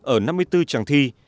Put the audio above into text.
ở năm mươi bốn tràng thi